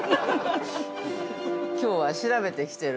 ◆きょうは調べてきてる。